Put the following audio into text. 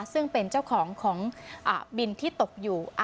ซึ่งเป็นเจ้าของของบินที่ตกอยู่